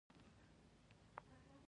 ارام پروت و، باران بیا پیل شو.